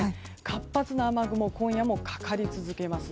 活発な雨雲今夜もかかり続けます。